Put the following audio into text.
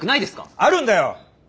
あるんだよ！